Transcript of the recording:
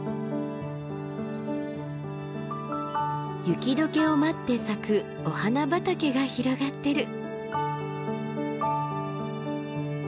雪解けを待って咲くお花畑が広がってる。